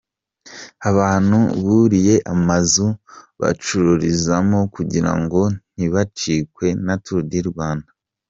Abantu buriye amazu bacururizamo kugira ngo ntibacikwe na Tour du Rwanda.